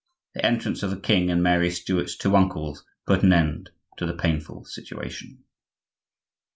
The entrance of the king and Mary Stuart's two uncles put an end to the painful situation.